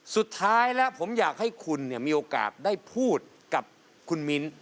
สุดท้ายแล้วผมอยากให้คุณมีโอกาสได้พูดกับคุณมิ้น